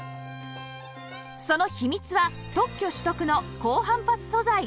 その秘密は特許取得の高反発素材